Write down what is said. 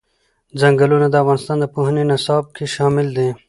ځنګلونه د افغانستان د پوهنې نصاب کې شامل دي.